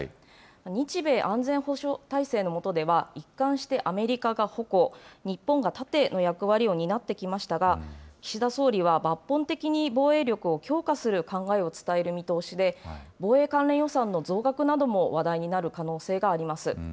日米安全保障体制の下では、一貫してアメリカが矛、日本が盾の役割を担ってきましたが、岸田総理は抜本的に防衛力を強化する考えを伝える見通しで、防衛関連予算の増額なども話題になる可能性があります。